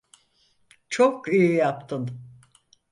Çok iyi yaptın.